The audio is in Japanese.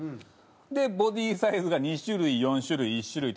でボディサイズが２種類４種類１種類と。